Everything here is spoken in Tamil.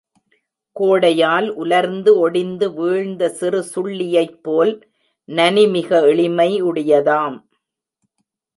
கோடையால் உலர்ந்து ஒடிந்து வீழ்ந்த சிறு சுள்ளியைப் போல் நனிமிக எளிமை யுடையதாம்.